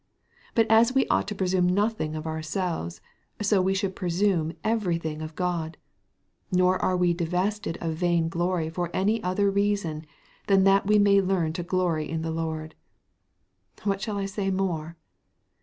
But as we ought to presume nothing of ourselves, so we should presume every thing of God; nor are we divested of vain glory for any other reason than that we may learn to glory in the Lord. What shall I say more?